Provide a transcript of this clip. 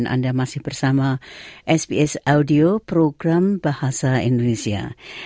anda bersama sbs bahasa indonesia